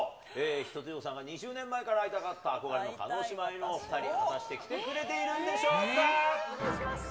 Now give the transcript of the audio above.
一青窈さんが２０年前から会いたかった憧れの叶姉妹のお２人、果たして来てくれているんでしょうか。